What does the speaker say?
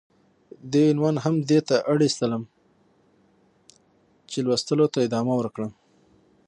دې عنوان هم دې ته اړيستم چې ،چې لوستلو ته ادامه ورکړم.